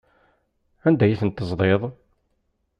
Anda ay ten-teẓḍiḍ?